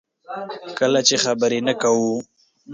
کله چې خبرې نه کوو.